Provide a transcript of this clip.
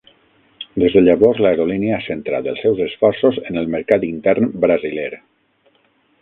Des de llavors, l'aerolínia ha centrat els seus esforços en el mercat intern brasiler.